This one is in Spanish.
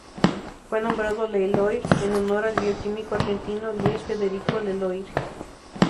Fue nombrado Leloir en honor al bioquímico argentino Luis Federico Leloir.